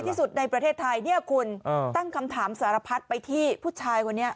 ที่สุดในประเทศไทยเนี่ยคุณตั้งคำถามสารพัดไปที่ผู้ชายคนนี้